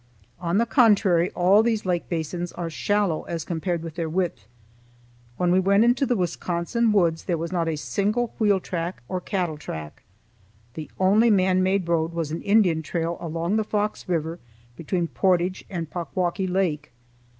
On the contrary, all these lake basins are shallow as compared with their width. When we went into the Wisconsin woods there was not a single wheel track or cattle track. The only man made road was an Indian trail along the Fox River between Portage and Packwauckee Lake.